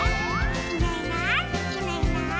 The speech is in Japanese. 「いないいないいないいない」